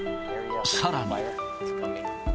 さらに。